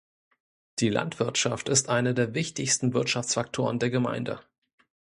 Die Landwirtschaft ist einer der wichtigsten Wirtschaftsfaktoren der Gemeinde.